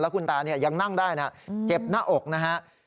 คุณตายังนั่งได้นะเจ็บหน้าอกนะฮะ